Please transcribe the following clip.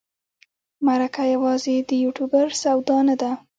مرکه یوازې د یوټوبر سودا نه ده.